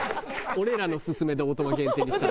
俺らの勧めでオートマ限定にした。